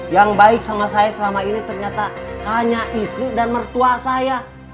yang baik sama saya selama ini ternyata hanya istri dan mertua saya